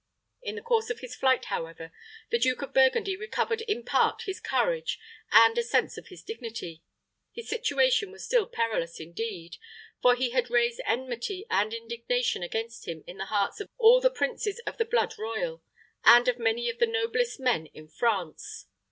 In the course of his flight, however, the Duke of Burgundy recovered in part his courage and a sense of his dignity. His situation was still perilous indeed; for he had raised enmity and indignation against him in the hearts of all the princes of the blood royal, and of many of the noblest men in France.